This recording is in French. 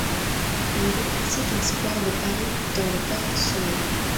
Une rue ainsi qu'un square de Paris, dans le portent son nom.